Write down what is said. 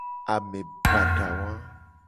Ame bada wa.